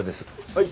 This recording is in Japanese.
はい。